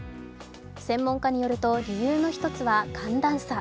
専門家によると理由の１つは寒暖差。